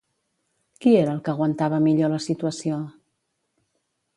Qui era el que aguantava millor la situació?